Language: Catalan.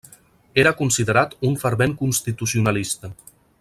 Era considerat un fervent constitucionalista.